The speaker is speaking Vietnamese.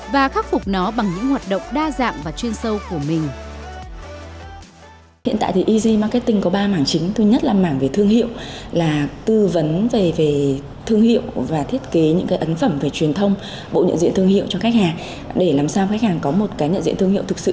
và khắc phục nó bằng những hoạt động đa dạng và chuyên sâu của mình